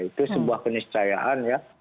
itu sebuah keniscayaan ya